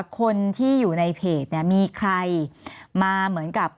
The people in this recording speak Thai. คนที่อยู่ในเพจเนี่ยมีใครมาเหมือนกับ